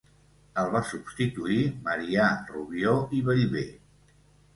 El va substituir Marià Rubió i Bellver.